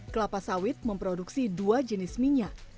kelapa sawit memproduksi dua jenis minyak